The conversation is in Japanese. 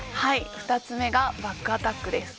２つ目がバックアタックです。